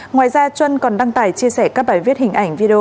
ngoài ra trân còn đăng tải chia sẻ các bài viết hình ảnh video